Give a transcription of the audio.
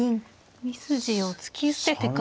２筋を突き捨ててから。